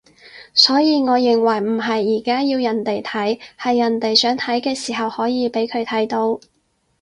所以我認為唔係而家要人哋睇，係人哋想睇嘅時候可以畀佢睇到